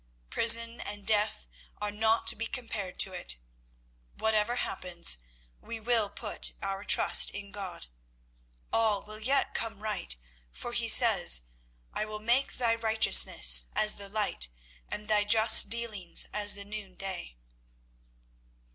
Prison and death are not to be compared to it. Whatever happens, we will put our trust in God. All will yet come right, for He says, 'I will make thy righteousness as the light and thy just dealings as the noonday.'"